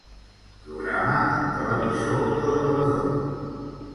Programa el televisor del rebedor.